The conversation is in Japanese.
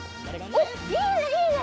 おっいいねいいね！